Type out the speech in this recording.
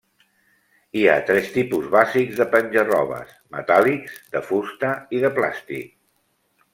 Hi ha tres tipus bàsics de penja-robes: metàl·lics, de fusta i de plàstic.